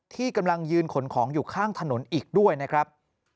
ที่กำลังยืนขนของอยู่ข้างถนนอีกด้วยนะครับ